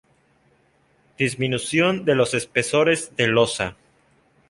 Disminución de los espesores de losa.